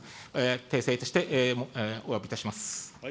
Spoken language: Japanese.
訂正しておわびいたします。